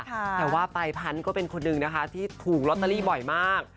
แต่ว่าไยพอนต์ก็เป็นนึงนะที่ถูกรอตเตอรี่บ่อยมาก